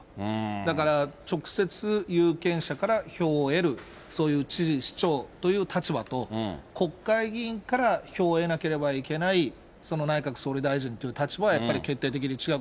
だから、直接有権者から票を得る、そういう知事、首長という立場と、国会議員から票を得なければいけない、その内閣総理大臣という立場はやっぱり決定的に違う。